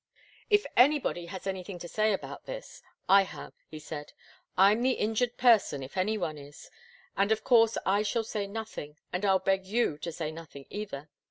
"If anybody has anything to say about this, I have," he said. "I'm the injured person if any one is. And of course I shall say nothing, and I'll beg you to say nothing either.